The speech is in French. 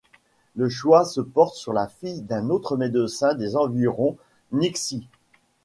Le choix se porte sur la fille d'un autre médecin des environs, Minxit.